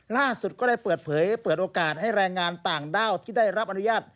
ล่าสุดก็ได้เปิดเผยเปิดโอกาสให้แรงงานต่างด้าวที่ได้รับอนุญาต